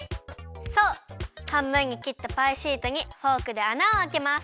そうはんぶんにきったパイシートにフォークであなをあけます。